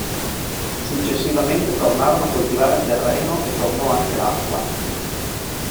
Successivamente tornarono a coltivare il terreno e tornò anche l'acqua.